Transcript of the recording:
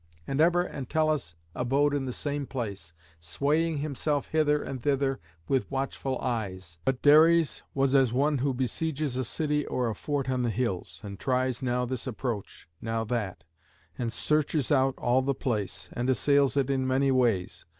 And ever Entellus abode in the same place, swaying himself hither and thither with watchful eyes. But Dares was as one who besieges a city or a fort on the hills, and tries now this approach, now that, and searches out all the place, and assails it in many ways.